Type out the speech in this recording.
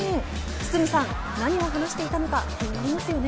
堤さん、何を話していたのか気になります。